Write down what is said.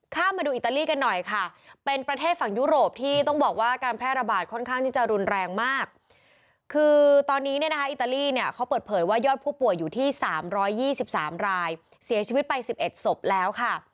ภาคอิตาลีเขาเปิดเผยว่ายอดผู้ป่วยอยู่ที่๓๒๓รายเสียชีวิตไป๑๑ศพแล้วค่ะ